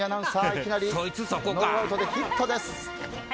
いきなりノーアウトでヒットです。